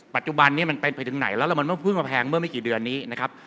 ปัจจุบันนี้มันเป็นไปถึงไหนแล้วเรามันไม่เพิ่งมาแพงเมื่อไม่กี่เดือนนี้นะครับ